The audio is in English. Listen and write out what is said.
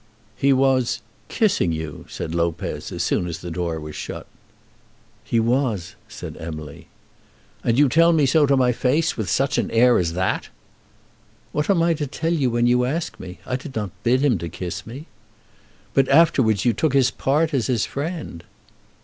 "He was kissing you," said Lopez, as soon as the door was shut. "He was," said Emily. "And you tell me so to my face, with such an air as that!" "What am I to tell you when you ask me? I did not bid him kiss me." "But afterwards you took his part as his friend."